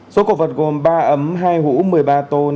số cổ vật gồm ba ấm hai hũ một mươi ba tôn